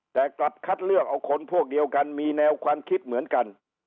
แต่กลับคัดเลือกเอาคนพวกเดียวกันมีแนวความคิดเหมือนกัน